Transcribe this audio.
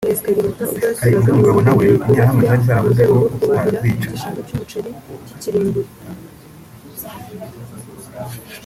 Hari undi mugabo nawe interahamwe zari zaravuze ko zitazica